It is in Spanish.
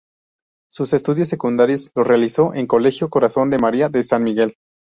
Sus estudios secundarios los realizó en Colegio Corazón de María de San Miguel.